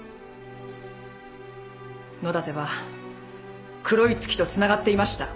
野立は黒い月とつながっていました。